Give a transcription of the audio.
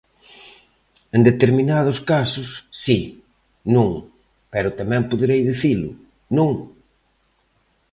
En determinados casos, si, non, pero tamén poderei dicilo, ¿non?